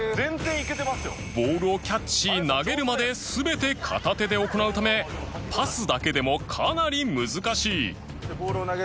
ボールをキャッチし投げるまで全て片手で行うためパスだけでもかなり難しい